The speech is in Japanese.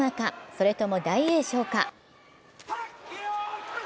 それとも大栄翔か？